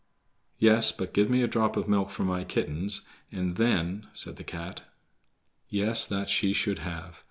"Yes, but give me a drop of milk for my kittens and then—" said the cat. Yes, that she should have.